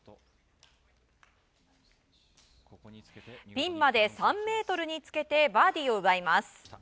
ピンまで３ｍにつけてバーディーを奪います。